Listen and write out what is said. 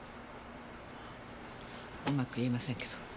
うまく言えませんけど。